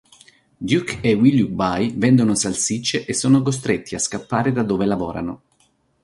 Duke e Willoughby vendono salsicce e sono costretti a scappare da dove lavorano.